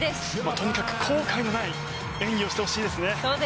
とにかく後悔のない演技をしてほしいですね。